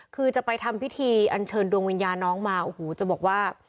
คือจะไปทำพิธีอันเชิญดวงวิญญาณน้องมาโอ้โหจะบอกว่า